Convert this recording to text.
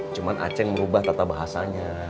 cuma aceh merubah tata bahasanya